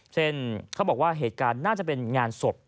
เช่นเขาบอกว่าเหตุการณ์น่าจะเป็นงานศพ